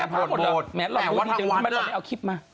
อ้อแก้พาหมดเหรอแต่ว่าทั้งวันเอาคลิปมา